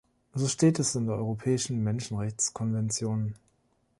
So steht es in der Europäischen Menschenrechtskonvention.